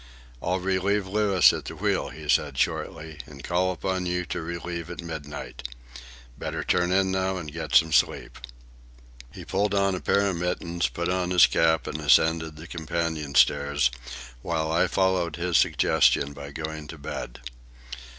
"I'll relieve Louis at the wheel," he said shortly, "and call upon you to relieve at midnight. Better turn in now and get some sleep." He pulled on a pair of mittens, put on his cap, and ascended the companion stairs, while I followed his suggestion by going to bed.